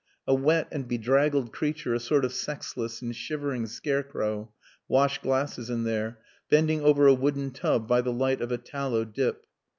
A wet and bedraggled creature, a sort of sexless and shivering scarecrow, washed glasses in there, bending over a wooden tub by the light of a tallow dip.